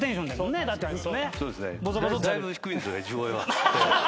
「だいぶ低いんですよね地声は」